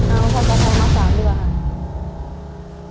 เอาภาษาไทยม๓ดีกว่าค่ะ